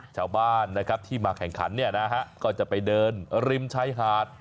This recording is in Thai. ชาวบ้านที่มาแข่งขันก็จะไปเดินริมชายหาด